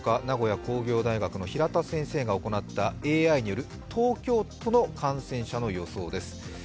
名古屋工業大学平田先生が行ったＡＩによる東京都の感染者の予想です。